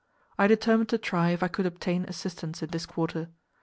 I determined to try if I could obtain assistance in this quarter.